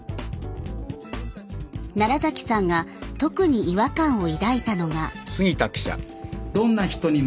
奈良さんが特に違和感を抱いたのが。